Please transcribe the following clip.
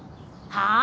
はあ！？